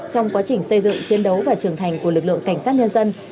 trong quá trình xây dựng chiến đấu và trưởng thành của lực lượng cảnh sát nhân dân